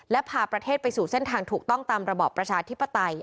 และพาประเทศไปสู่เส้นทางถูกต้องตามระบอบประชาธิปไตย